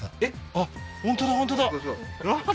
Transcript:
あっ本当だ本当だあっ